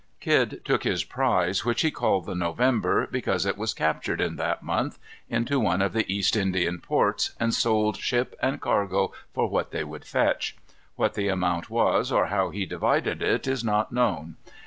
Kidd took his prize, which he called the November, because it was captured in that month, into one of the East Indian ports, and sold ship and cargo for what they would fetch. What the amount was, or how he divided it, is not known.